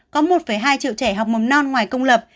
có một hai triệu trẻ học mầm non ngoài công lập